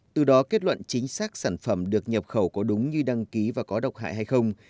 từ đó kết luận chính xác sản phẩm được nhập khẩu có đúng như đăng ký và có độc hại hay không